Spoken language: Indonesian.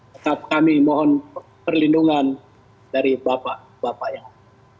tetap kami mohon perlindungan dari bapak bapak yang ada